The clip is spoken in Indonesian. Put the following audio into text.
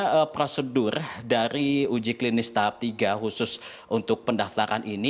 bagaimana prosedur dari uji klinis tahap tiga khusus untuk pendaftaran ini